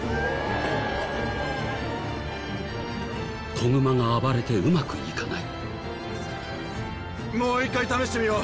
子グマが暴れてうまくいかない。